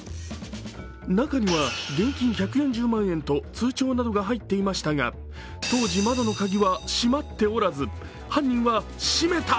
中には現金１４０万円と通帳などが入っていましたが、当時、窓の鍵は閉まっておらず、犯人はしめた！